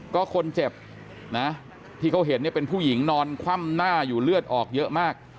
ก็คนเจ็บนะที่เขาเห็นเนี่ยเป็นผู้หญิงนอนคว่ำหน้าอยู่เลือดออกเยอะมาก